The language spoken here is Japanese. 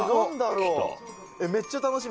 「めっちゃ楽しみ」